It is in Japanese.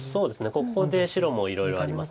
ここで白もいろいろあります。